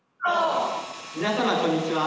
皆様こんにちは。